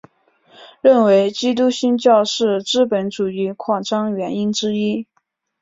认为基督新教是资本主义扩展原因之一。